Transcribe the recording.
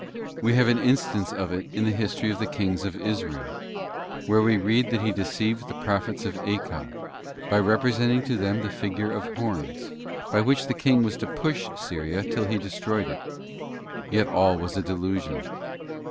We have an instance of it in the history of the kings of Israel, where we read that he deceived _ the prophets of Achab, by representing to them the figure of horns, by which the king was to push Syria till he destroyed it.§ Yet all was a delusion.